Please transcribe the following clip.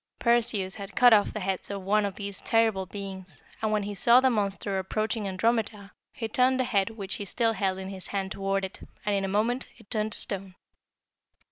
Perseus had cut off the heads of one of these terrible beings, and when he saw the monster approaching Andromeda, he turned the head which he still held in his hand toward it, and in a moment it turned to stone.